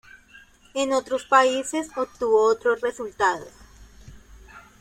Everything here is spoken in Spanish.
En otros países obtuvo otros resultados.